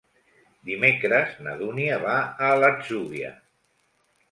Dimecres na Dúnia va a l'Atzúbia.